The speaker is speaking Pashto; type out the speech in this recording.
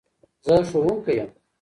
زه ښوونکي يم